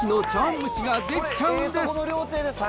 蒸しが出来ちゃうんです。